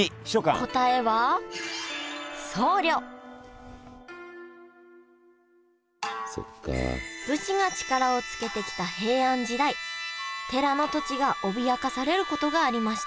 答えは武士が力をつけてきた平安時代寺の土地が脅かされることがありました